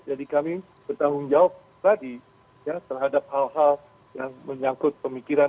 jadi kami bertanggung jawab tadi terhadap hal hal yang menyangkut pemikiran